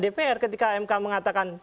dpr ketika mk mengatakan